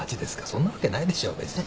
そんなわけないでしょ別に。